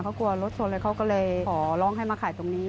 เขากลัวรถชนเลยเขาก็เลยขอร้องให้มาขายตรงนี้